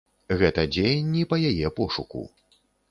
Гэта дзеянні па яе пошуку.